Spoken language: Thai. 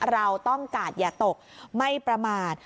เราต้องกาดอย่าตกไม่ประมาท